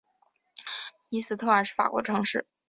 伊斯特尔是法国的城市。